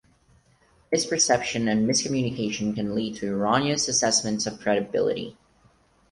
Misperception and miscommunication can lead to erroneous assessments of credibility.